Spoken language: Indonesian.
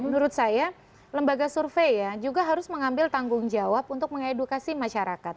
menurut saya lembaga survei ya juga harus mengambil tanggung jawab untuk mengedukasi masyarakat